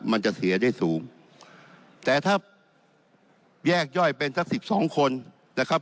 มันจะเสียได้สูงแต่ถ้าแยกย่อยเป็นสักสิบสองคนนะครับ